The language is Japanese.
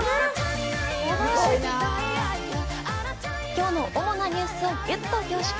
今日の主なニュースをぎゅっと凝縮。